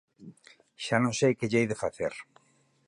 Xa non sei que lle hei de facer